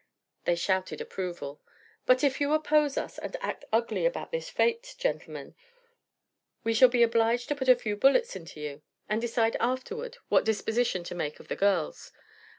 They shouted approval. "But if you oppose us and act ugly about this fête, gentlemen, we shall be obliged to put a few bullets into you, and decide afterward what disposition to make of the girls.